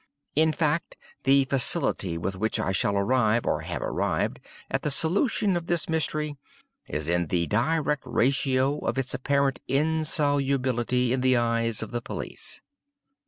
In fact, the facility with which I shall arrive, or have arrived, at the solution of this mystery, is in the direct ratio of its apparent insolubility in the eyes of the police."